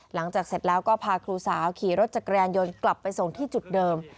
เสร็จแล้วก็พาครูสาวขี่รถจักรยานยนต์กลับไปส่งที่จุดเดิม